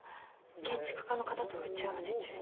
建築家の方と打ち合わせ中に。